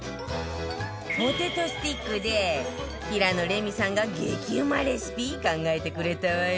ポテトスティックで平野レミさんが激うまレシピ考えてくれたわよ